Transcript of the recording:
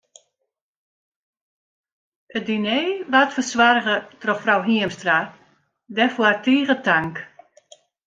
It diner waard fersoarge troch frou Hiemstra, dêrfoar tige tank.